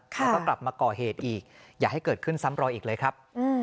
แล้วก็กลับมาก่อเหตุอีกอย่าให้เกิดขึ้นซ้ำรอยอีกเลยครับ